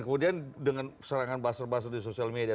kemudian dengan serangan buzzer buzzer di sosial media